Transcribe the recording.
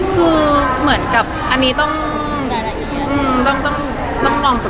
คือเหมือนกับต้องลองตกปรับสรรค์